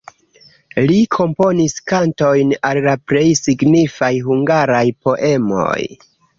Li komponis kantojn al la plej signifaj hungaraj poemoj.